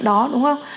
đó đúng không